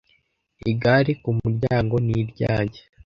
Igare ku muryango ni ryanjye.